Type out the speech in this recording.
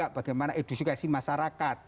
bagaimana edifikasi masyarakat